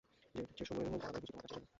যে সময়ে হউক জানাইলেই বুঝি তোমার কাজ শেষ হইল?